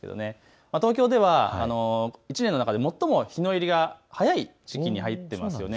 東京では１年の中で最も日の入りが早い時期に入っています。